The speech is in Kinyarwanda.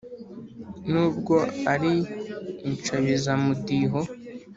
n’ubwo ari inshabizamudiho.